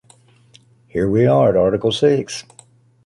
Here we are at article six.